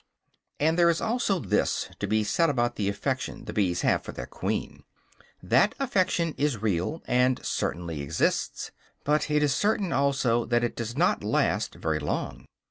And there is also this to be said about the affection the bees have for their queen. That affection is real, and certainly exists; but it is certain also that it does not last very long.